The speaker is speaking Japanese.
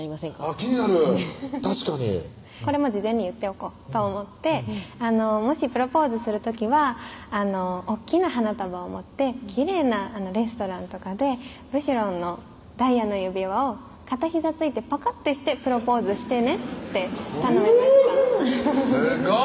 気になる確かにこれも事前に言っておこうと思って「もしプロポーズする時は大っきな花束を持ってきれいなレストランとかでブシュロンのダイヤの指輪を片ひざついてパカッてしてプロポーズしてね」って頼みましたすごい！